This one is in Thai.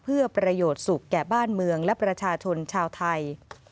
เพื่อประโยชน์สุขแก่บ้านเมืองและประชาชนชาวไทย